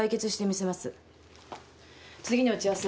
次の打ち合わせ